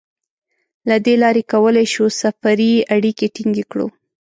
له دې لارې کولای شو سفري اړیکې ټینګې کړو.